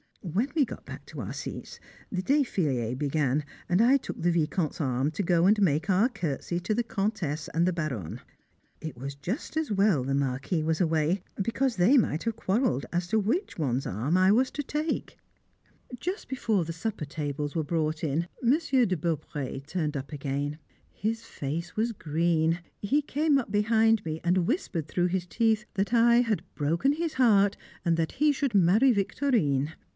When we got back to our seats, the défilé began and I took the Vicomte's arm to go and make our curtsey to the Comtesse and the Baronne. It was just as well the Marquis was away, because they might have quarrelled as to which one's arm I was to take. [Sidenote: Godmamma's Friends] Just before the supper tables were brought in, Monsieur de Beaupré turned up again. His face was green; he came up behind me, and whispered through his teeth that I had broken his heart, and that he should marry Victorine!